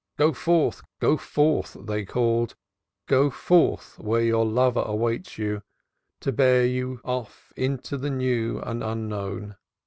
"Go forth, go forth," they called, "go forth where your lover waits you, to bear you of into the new and the unknown."